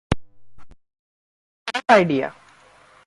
এটা খারাপ আইডিয়া।